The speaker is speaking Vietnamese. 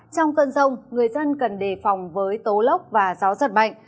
trong cơn rông người dân cần đề phòng với tố lốc và gió giật mạnh